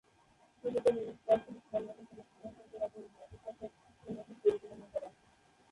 ফিলিপের অভিপ্রায় ছিল স্থানীয়দের সাথে সুসম্পর্ক রাখা এবং একই সাথে অন্যদের পরিচালনা করা।